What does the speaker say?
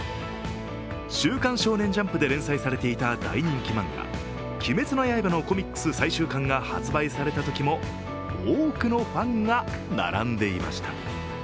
「週刊少年ジャンプ」で連載されていた大人気漫画「鬼滅の刃」のコミックス最終巻が発売されたときも、多くのファンが並んでいました。